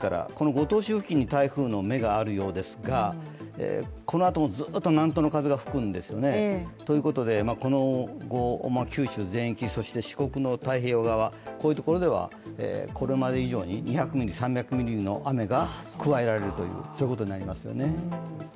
五島市付近に台風の目があるようですがこのあともずっと南東の風が吹くんですね。ということでこのあと、九州全域、四国の太平洋側、そういうところではこれまで以上に２００ミリ、３００ミリの雨が加えられるということになりそうですね。